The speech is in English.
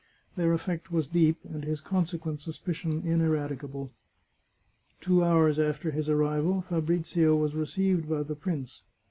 Their effect was deep, and his consequent suspicion ineradicable. Two hours after his arrival Fabrizio was received by the prince.